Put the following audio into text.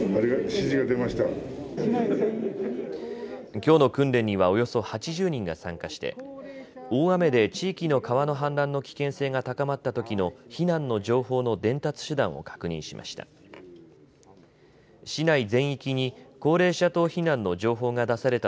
きょうの訓練にはおよそ８０人が参加して大雨で地域の川の氾濫の危険性が高まったときの避難の情報の伝達手段を確認しました。